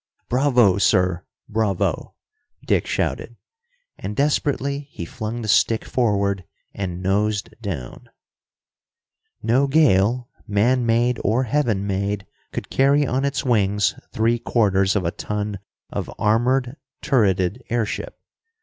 "Bravo, sir, bravo!" Dick shouted. And desperately he flung the stick forward and nosed down. No gale, man made or heaven made, could carry on its wings three quarters of a ton of armored, turreted airship.